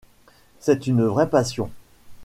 C'est une vraie passion.